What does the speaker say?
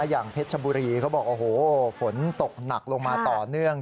อย่างเพชรชบุรีเขาบอกโอ้โหฝนตกหนักลงมาต่อเนื่อง